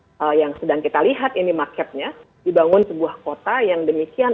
nah yang sedang kita lihat ini marketnya dibangun sebuah kota yang demikian